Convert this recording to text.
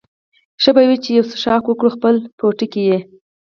ښه به وي چې یو څښاک وکړو، خپل پوټکی یې.